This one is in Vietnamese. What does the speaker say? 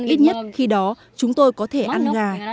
ít nhất khi đó chúng tôi có thể ăn gà